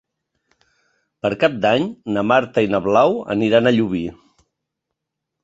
Per Cap d'Any na Marta i na Blau aniran a Llubí.